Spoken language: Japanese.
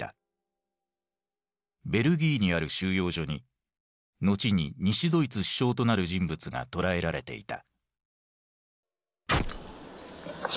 ベルギーにある収容所に後に西ドイツ首相となる人物が捕らえられていた。